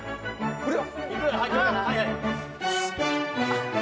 来るよ！